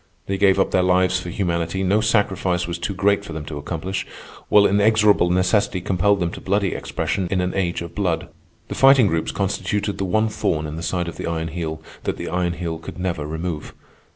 They gave up their lives for humanity, no sacrifice was too great for them to accomplish, while inexorable necessity compelled them to bloody expression in an age of blood. The Fighting Groups constituted the one thorn in the side of the Iron Heel that the Iron Heel could never remove.